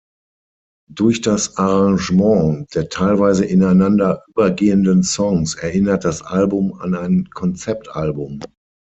Durch das Arrangement der teilweise ineinander übergehenden Songs erinnert das Album an ein Konzeptalbum.